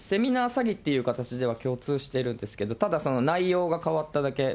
詐欺という形では共通しているんですけど、ただ内容が変わっただけ。